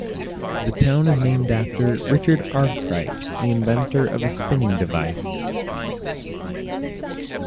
The town is named after Richard Arkwright, the inventor of a spinning device.